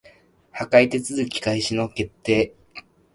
破産手続開始の決定